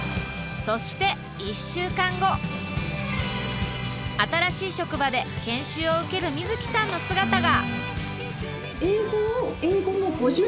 そして新しい職場で研修を受ける瑞樹さんの姿が！